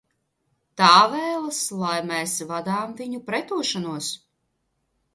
Tā vēlas, lai mēs vadām viņu pretošanos!